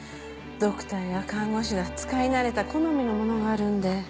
ドクターや看護師が使い慣れた好みのものがあるんで。